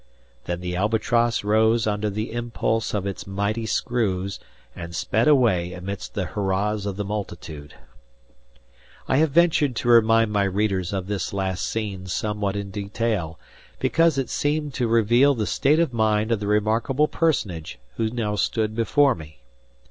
Then the "Albatross" rose under the impulse of its mighty screws, and sped away amidst the hurrahs of the multitude. I have ventured to remind my readers of this last scene somewhat in detail, because it seemed to reveal the state of mind of the remarkable personage who now stood before me.